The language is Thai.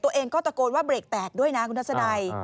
ตัวเองก็ตะโกนว่าเบรกแตกด้วยนะคุณทัศนัย